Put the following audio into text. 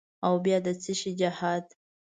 او بیا د چیشي جهاد؟